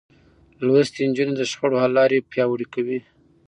لوستې نجونې د شخړو حل لارې پياوړې کوي.